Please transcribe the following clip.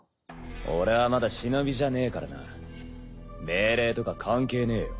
俺はまだ忍じゃねえからな命令とか関係ねえよ。